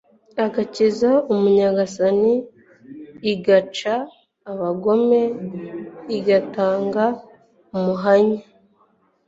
igakiza umunyagasani, igaca abagome, igatanga umuhanya.